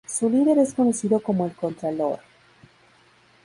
Su líder es conocido como el Contralor.